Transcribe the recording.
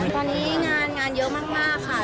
ตอนนี้งานงานเยอะมากค่ะ